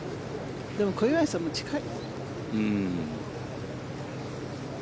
でも、小祝さんも近い。